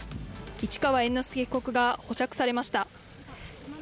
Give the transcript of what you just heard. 市川猿之助被告が保釈されました。